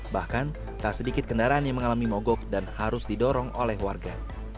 bahkan tak sedikit kendaraan yang mengalami mogok dan harus didorong oleh warga